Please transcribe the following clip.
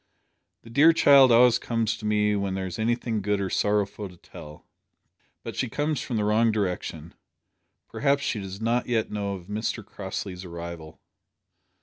The dear child always comes to me when there is anything good or sorrowful to tell. But she comes from the wrong direction. Perhaps she does not yet know of Mr Crossley's arrival."